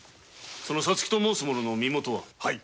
そのさつきと申す者の身元は？